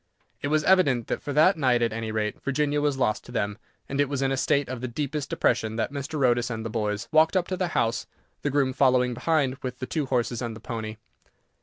It was evident that, for that night at any rate, Virginia was lost to them; and it was in a state of the deepest depression that Mr. Otis and the boys walked up to the house, the groom following behind with the two horses and the pony.